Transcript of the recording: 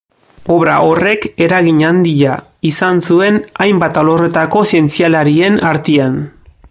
Obra horrek eragin handia izan zuen hainbat alorretako zientzialarien artean.